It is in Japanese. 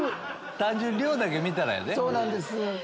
単純に量だけ見たらやで。